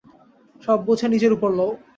সব বোঝা নিজের উপর লও।